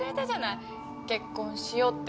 結婚しようって。